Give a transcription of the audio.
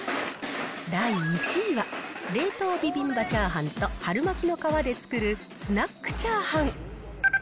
第１位は、冷凍ビビンバチャーハンと春巻きの皮で作るスナックチャーハン。